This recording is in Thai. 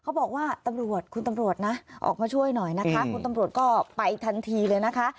เขาบอกว่าตำรวจคุณตำรวจนะออกมาช่วยหน่อยนะคะคุณตำรวจก็ไปทันทีเลยนะคะ